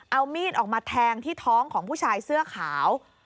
เอามีดออกมาแทงที่ท้องของผู้ชายเสื้อขาว